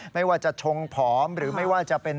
ไม่ว่าจะชงผอมหรือไม่ว่าจะเป็น